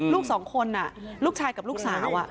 ลูกสองคนลูกชายกับลูกสาว